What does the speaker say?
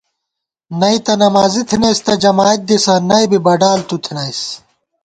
نئ تہ نمازی تھنَئیس تہ جمائید دِسہ نئ بی بڈال تُو تھنَئیس